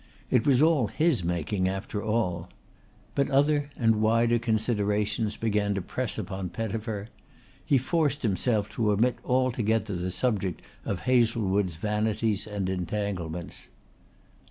It was all his making after all. But other and wider considerations began to press upon Pettifer. He forced himself to omit altogether the subject of Hazlewood's vanities and entanglements.